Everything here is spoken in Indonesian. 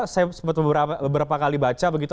saya sempat beberapa kali baca begitu